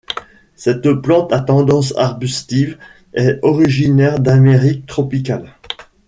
Cette plante à tendance arbustive est originaire d'Amérique tropicale.